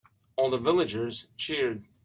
All the villagers cheered.